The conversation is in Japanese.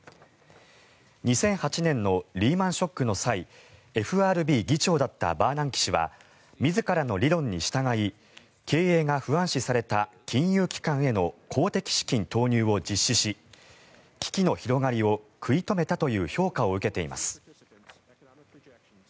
２００８年のリーマン・ショックの際ＦＲＢ議長だったバーナンキ氏は自らの理論に従い経営が不安視された金融機関への公的資金投入を実施し危機の広がりを食い止めたという評価を受けています。